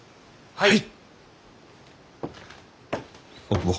はい。